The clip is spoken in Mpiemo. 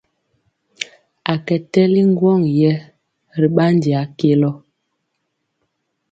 A kɛ tɛli ŋgwɔŋ yɛ ri ɓandi a kelɔ.